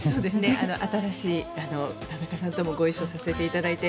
新しい、田中さんともご一緒させていただいて。